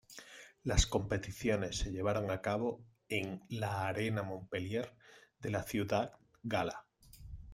Las competiciones se llevaron a cabo en la Arena Montpellier de la ciudad gala.